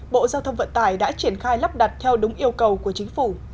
bộ giao thông vận tải đã triển khai lắp đặt theo đúng yêu cầu của chính phủ